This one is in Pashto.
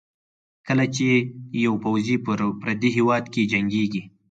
کله چې یو پوځي په پردي هېواد کې جنګېږي.